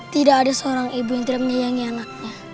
tidak ada seorang ibu yang tidak menyayangi anaknya